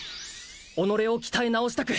己を鍛え直したく